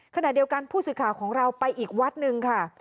ขณะเดียวกันผู้ศึกขาของเราไปอีกวัดนึงค่ะ